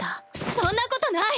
そんなことない！